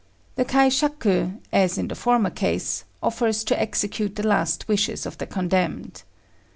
The kaishaku, as in the former case, offers to execute the last wishes of the condemned.